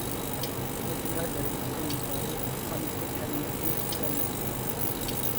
ئوتتۇرا دەرىجىدىكى مىقدارى قاندىكى قەنتنى تۆۋەنلىتىدۇ.